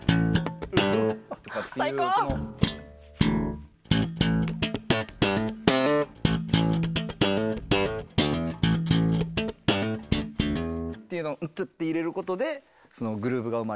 最高！っていうのを「ントゥ」って入れることでそのグルーヴが生まれる。